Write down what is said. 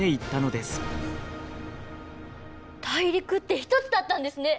大陸って１つだったんですね。